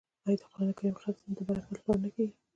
آیا د قران کریم ختم د برکت لپاره نه کیږي؟